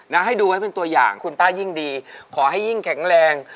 ให้ดูไว้เป็นตัวอย่างคุณป้ายิ่งดีขอให้ยิ่งแข็งแรง